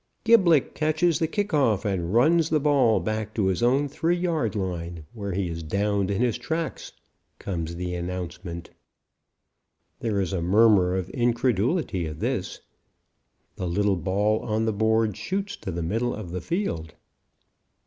"Gilblick catches the kick off and runs the ball back to his own 3 yard line, where he is downed in his tracks," comes the announcement. There is a murmur of incredulity at this. The little ball on the board shoots to the middle of the field.